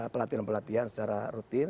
pelatihan pelatihan secara rutin